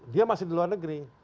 dia masih di luar negeri